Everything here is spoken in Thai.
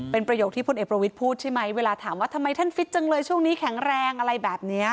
เป็นประโยคที่พลเอกประวิทย์พูดใช่ไหมเวลาถามว่าทำไมท่านฟิตจังเลยช่วงนี้แข็งแรงอะไรแบบนี้